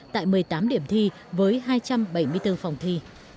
tại một mươi tám điểm thi với hai trăm bảy mươi bốn phòng thi